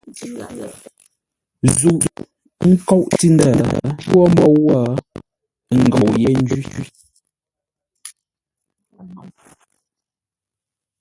Zûʼ, ə́ nkóʼ tʉ́ ndə̂ ńjwó môu wə̂, ə́ ngou yé ńjwí.